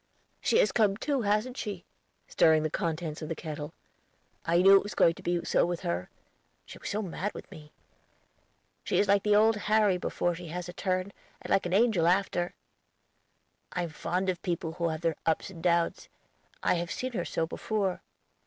"She has come to, hasn't she?" stirring the contents of the kettle. "I knew it was going to be so with her, she was so mad with me. She is like the Old Harry before she has a turn, and like an angel after. I am fond of people who have their ups and downs. I have seen her so before.